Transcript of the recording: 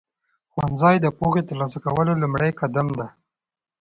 ښوونځی د پوهې ترلاسه کولو لومړنی قدم دی.